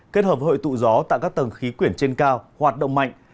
kết hợp hội tụ gió tại các tầng khí quyển trên cao hoạt động mạnh